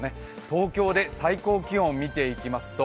東京で最高気温を見ていきますと